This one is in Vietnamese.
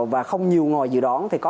và không nhiều ngòi dự đoán thì có